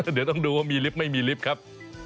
เดี๋ยวต้องดูว่ามีลิฟต์ไม่มีลิฟต์ครับ